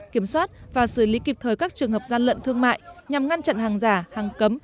kiểm soát và xử lý kịp thời các trường hợp gian lận thương mại nhằm ngăn chặn hàng giả hàng cấm